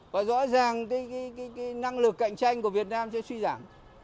và rõ ràng năng lực cạnh tranh của việt nam sẽ suy giảm